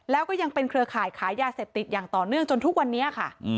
แล้วก็ยังเป็นเครือข่ายขายยาเสพติดอย่างต่อเนื่องจนทุกวันนี้ค่ะ